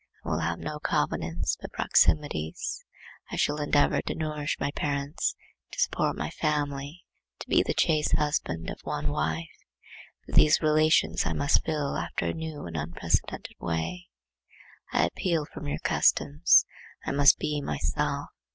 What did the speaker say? I will have no covenants but proximities. I shall endeavour to nourish my parents, to support my family, to be the chaste husband of one wife,—but these relations I must fill after a new and unprecedented way. I appeal from your customs. I must be myself.